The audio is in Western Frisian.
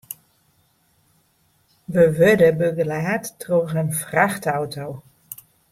We wurde begelaat troch in frachtauto.